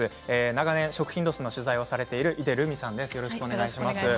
長年食品ロスの取材を続けている井出留美さんです。